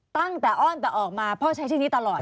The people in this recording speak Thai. ตั้งแต่อ้อนแต่ออกมาพ่อใช้ชื่อนี้ตลอด